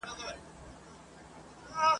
مستي مي آزلي ده